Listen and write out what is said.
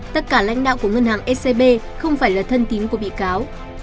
tất cả lãnh đạo của ngân hàng scb không phải là thân tín của bị cáo